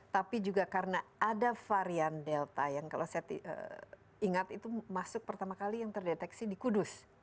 tapi juga karena ada varian delta yang kalau saya ingat itu masuk pertama kali yang terdeteksi di kudus